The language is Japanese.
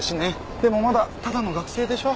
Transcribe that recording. でもまだただの学生でしょ？